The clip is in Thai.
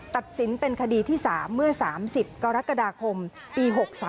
ตัดสินเป็นคดีที่๓เมื่อ๓๐กรกฎาคมปี๖๓